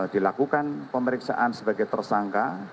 dilakukan pemeriksaan sebagai tersangka